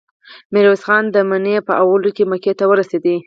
ميرويس خان د مني په اولو کې مکې ته ورسېد.